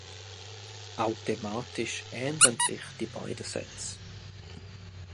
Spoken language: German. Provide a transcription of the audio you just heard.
Auch thematisch ähneln sich die beiden Sätze.